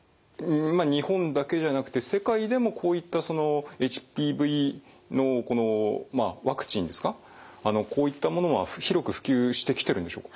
日本だけじゃなくて世界でもこういったＨＰＶのこのワクチンですかこういったものは広く普及してきてるんでしょうか？